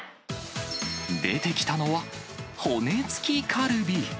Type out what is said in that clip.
出てきたのは、骨付きカルビ。